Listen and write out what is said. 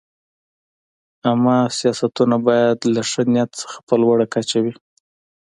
عامه سیاستونه باید له ښه نیت څخه په لوړه کچه وي.